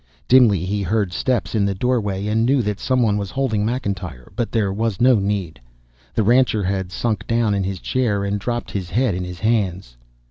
Dimly he heard steps in the doorway and knew that some one was holding McIntyre, but there was no need. The rancher had sunk down in his chair, and dropped his head in his hands.